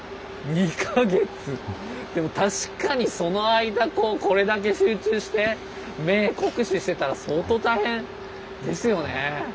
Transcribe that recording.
でも確かにその間これだけ集中して目酷使してたら相当大変ですよね。